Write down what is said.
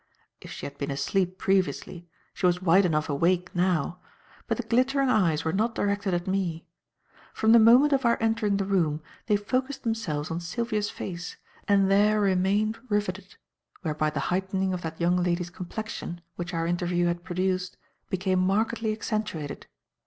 If she had been asleep previously, she was wide enough awake now; but the glittering eyes were not directed at me. From the moment of our entering the room they focussed themselves on Sylvia's face and there remained riveted, whereby the heightening of that young lady's complexion, which our interview had produced, became markedly accentuated.